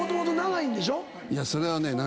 いやそれはね。